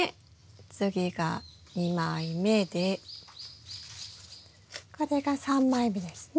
次が２枚目でこれが３枚目ですね。